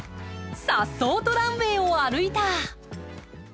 さっそうとランウェイを歩いた。